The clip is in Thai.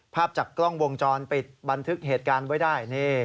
ภาพจากกล้องวงจรปิดบันทึกเหตุการณ์ไว้ได้